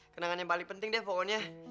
kenangan yang paling penting deh pokoknya